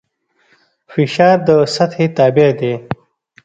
فشار د سطحې تابع دی.